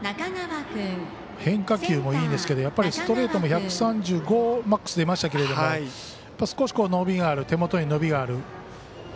変化球もいいですけどやっぱりストレートも１３５キロ、マックスで出ましたけども、少し手元で伸びがある。